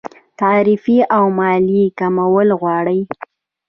تعرفې او مالیې کمول غواړي.